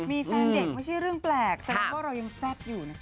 มีแฟนเด็กไม่ใช่เรื่องแปลกแสดงว่าเรายังแซ่บอยู่นะคะ